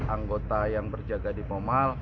anggota yang berjaga di momaal